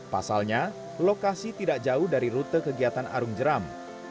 pasalnya lokasi tidak jauh dari rute kegiatan arung jeram